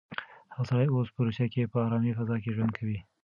هغه سړی اوس په روسيه کې په ارامه فضا کې ژوند کوي.